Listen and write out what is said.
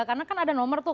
karena kan ada nomor tuh